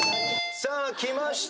さあきました